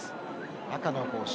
赤の帽子。